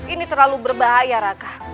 ini terlalu berbahaya raka